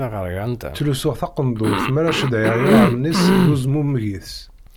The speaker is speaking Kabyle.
Ttlusuɣ taqendurt mi ara cedhiɣ iɣallen-is d uzmumeg-is.